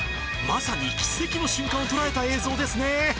まさに奇跡の瞬間を捉えた映像ですね。